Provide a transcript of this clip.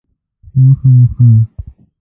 په مخه مو ښه